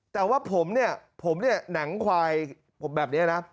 แต่ว่าผมเนี่ยผมเนี่ยหนังควายแบบนี้นะ